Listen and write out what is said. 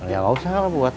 ya nggak usah lah buat